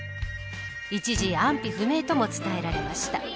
一時、安否不明とも伝えられました。